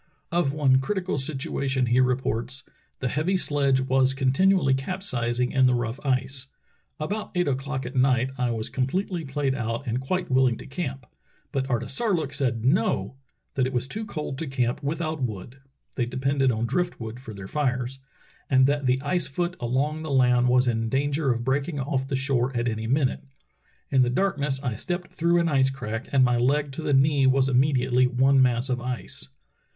Of one critical situation he reports: "The heavy sledge was continually capsizing in the rough ice. About eight o'clock at night I was completely played out and quite wilUng to camp. But Artisarlook said No! that it was too cold to camp without wood (they depended on drift wood for their fires), and that the ice foot along the land was in dan ger of breaking off the shore at any minute. In the darkness I stepped through an ice crack, and my leg to the knee was immediately one mass of ice.